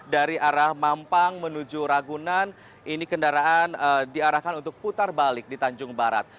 dari arah mampang menuju ragunan ini kendaraan diarahkan untuk putar balik di tanjung barat